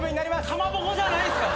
かまぼこじゃないんすか？